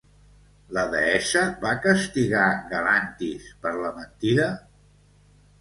La deessa va castigar Galantis per la mentida?